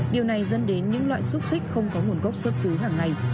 điều này dẫn đến những loại xúc xích không có nguồn gốc xuất xứ hàng ngày